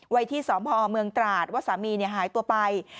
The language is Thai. ไว้ที่สพเมืองตราดว่าสามีหายตัวไป